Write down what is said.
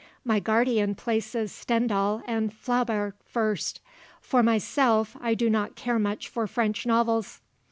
My guardian places Stendahl and Flaubert first. For myself I do not care much for French novels.